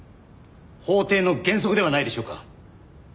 法廷の原則ではないでしょうか？